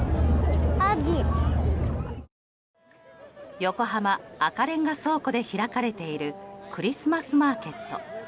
横浜赤レンガ倉庫で開かれているクリスマスマーケット。